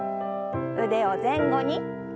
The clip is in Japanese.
腕を前後に。